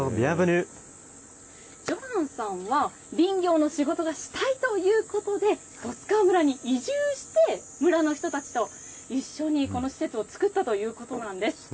ジョランさんは林業の仕事がしたいということで十津川村に移住して村の人たちと一緒にこの施設をつくったということなんです。